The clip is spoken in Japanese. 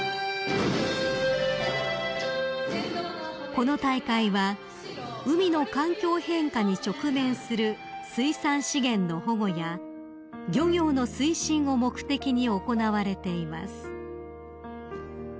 ［この大会は海の環境変化に直面する水産資源の保護や漁業の推進を目的に行われています］